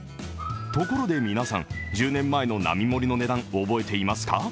ところで皆さん、１０年前の並盛の値段覚えてますか？